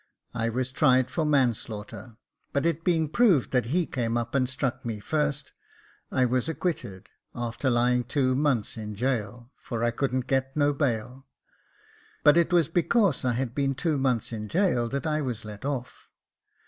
] I was tried for manslaughter j but it being proved that he came up and struck me first, I was acquitted, after lying two months in gaol, for I couldn't get no bail ; but it was because I had been two months in gaol that I was let off.